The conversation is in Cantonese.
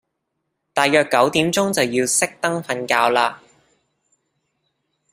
大約九點鐘就要熄燈瞓覺嘞